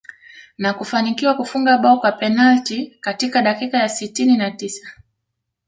Na kufanikiwa kufunga bao kwa penalti katika dakika ya sitini na tisa